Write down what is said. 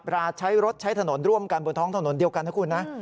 ราใช้รถใช้ถนนร่วมกันบนท้องถนนเดียวกันนะคุณนะ